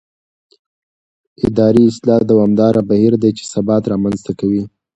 اداري اصلاح دوامداره بهیر دی چې ثبات رامنځته کوي